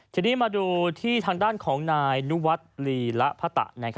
ทีนี้มาดูที่ทางด้านของนายนุวัฒน์ลีละพะตะ